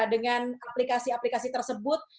dengan aplikasi aplikasi tersebut